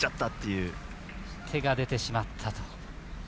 手が出てしまったと。